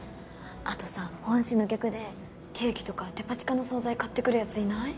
あとさ本指の客でケーキとかデパ地下の総菜買ってくるやついない？